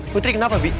putri kenapa bi